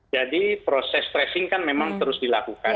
jadi proses tracing kan memang terus dilakukan ya